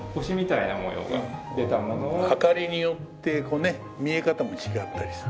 明かりによってこうね見え方も違ったりする。